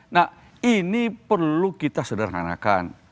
nah ini perlu kita sederhanakan